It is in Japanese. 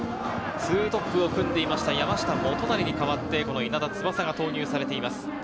２トップを組んでいました山下基成に代わって、稲田翼が投入されています。